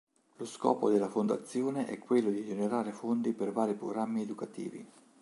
Lo scopo della fondazione è quello di generare fondi per vari programmi educativi.